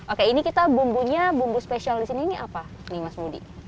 oke ini kita bumbunya bumbu spesial di sini ini apa nih mas mudi